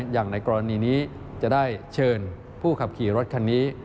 อย่างในกรณีนี้จะได้เชิญผู้ขับขี่รถคันนี้